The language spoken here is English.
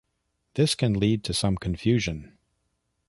This can lead to some confusion.